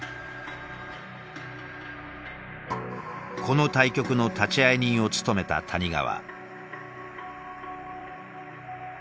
この対局の立会人を務めた谷川。